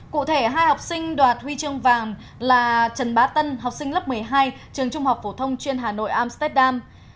cụ thể hai học sinh đoạt huy chương vàng là trần bá tân học sinh lớp một mươi hai trường trung học phổ thông chuyên hà nội amsterdam